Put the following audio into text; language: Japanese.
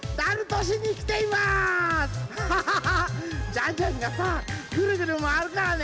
ジャンジャンがさぐるぐるまわるからね！